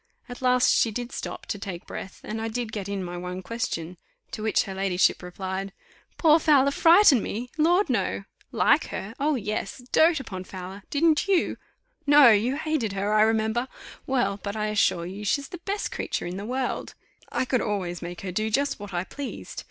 At last she did stop to take breath, and I did get in my one question: to which her ladyship replied, "Poor Fowler frighten me? Lord! No. Like her? oh! yes dote upon Fowler! didn't you? No, you hated her, I remember. Well, but I assure you she's the best creature in the world; I could always make her do just what I pleased.